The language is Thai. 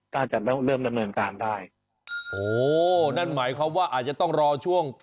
การจัดเริ่มดำเนินการได้โอ้นั่นหมายความว่าอาจจะต้องรอช่วง